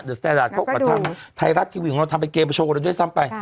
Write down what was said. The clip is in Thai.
แปลกแปดดาดเขาก็การทำไทยรัฐทีวีงานที่ทำไปเกมโปรโชคกรณาชีวิตซ้ำไป